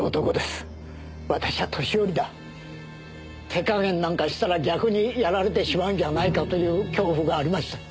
手加減なんかしたら逆にやられてしまうんじゃないかという恐怖がありました。